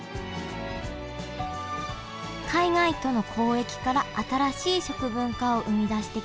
海外との交易から新しい食文化を生み出してきた長崎。